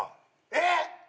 えっ？